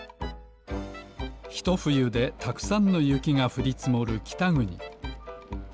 ひとふゆでたくさんのゆきがふりつもるきたぐに。